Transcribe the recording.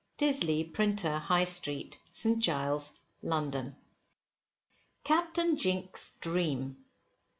DISLEY, Printer, High Street, St. Giles's, London. CAPTAIN JINK'S DREAM.